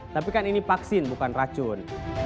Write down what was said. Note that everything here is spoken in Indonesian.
tapi kan ini vaksin bukan racun